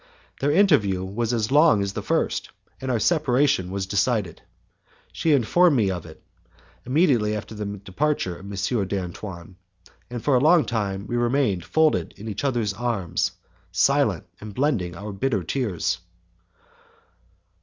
Their interview was as long as the first, and our separation was decided. She informed me of it, immediately after the departure of M. d'Antoine, and for a long time we remained folded in each other's arms, silent, and blending our bitter tears.